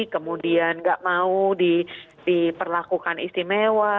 kemudian nggak mau diperlakukan istimewa